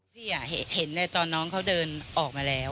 พี่เห็นในตอนน้องเขาเดินออกมาแล้ว